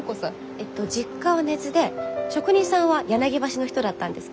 えっと実家は根津で職人さんは柳橋の人だったんですけど。